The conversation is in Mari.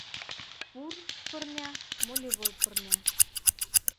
Пурс пырня — молевой пырня.